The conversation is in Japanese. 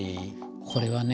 これはね